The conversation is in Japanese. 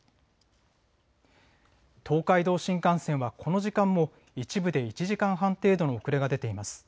東海道新幹線はこの時間も一部で１時間半程度の遅れが出ています。